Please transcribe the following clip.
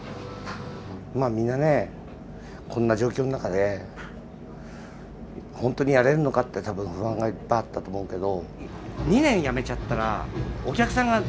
みんなこんな状況の中で本当にやれるのかって多分不安がいっぱいあったと思うけど。